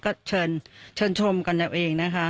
ก็เชิญชมกันเอาเองนะคะ